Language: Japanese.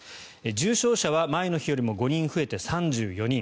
重症者は前の日よりも５人増えて３４人。